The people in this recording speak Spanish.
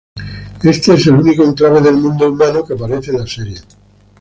Éste es el único enclave del mundo humano que aparece en la serie.